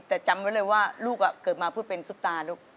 แต่จำไว้เลยว่าลูกเกิดมาเพื่อเป็นซุปตาลูก